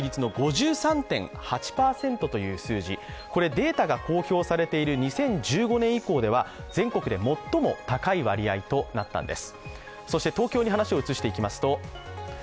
データが公表されている２０１５年以降では全国で最も高い割合となったんです。